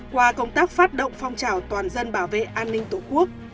qua công tác phát động phong trào toàn dân bảo vệ an ninh tổ quốc